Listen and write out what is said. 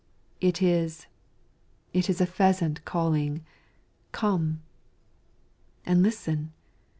It is it is a pheasant calling "Come!" And listen!